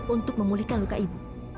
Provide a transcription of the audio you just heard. untuk memulihkan luka ibu